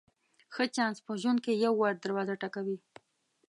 ښه چانس په ژوند کې یو وار دروازه ټکوي.